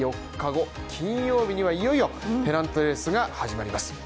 ４日後、金曜日にはいよいよペナントレースが始まります。